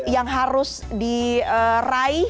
yang harus diraih